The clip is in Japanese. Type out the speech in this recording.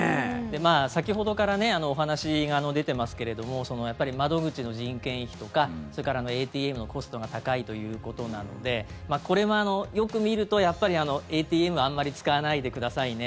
先ほどからお話が出てますけれどもやっぱり、窓口の人件費とかそれからＡＴＭのコストが高いということなのでこれも、よく見るとやっぱりＡＴＭあんまり使わないでくださいね